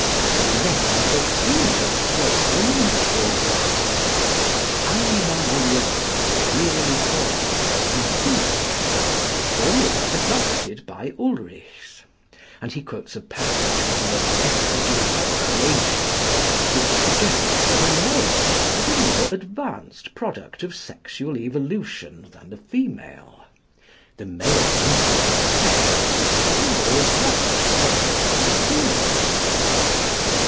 There remains a female soul in a male body. Anima muliebris virili corpore inclusa, is the formula adopted by Ulrichs; and he quotes a passage from the "Vestiges of Creation," which suggests that a male is a more advanced product of sexual evolution than the female. The male instinct of sex is a more advanced product than the female instinct.